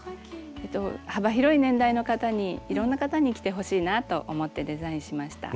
えっと幅広い年代の方にいろんな方に着てほしいなと思ってデザインしました。